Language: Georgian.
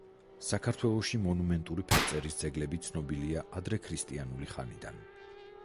საქართველოში მონუმენტური ფერწერის ძეგლები ცნობილია ადრექრისტიანული ხანიდან.